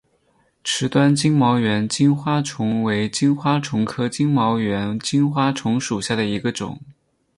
池端金毛猿金花虫为金花虫科金毛猿金花虫属下的一个种。